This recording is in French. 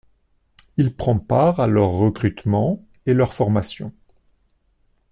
Il prend part à leur recrutement et leur formation.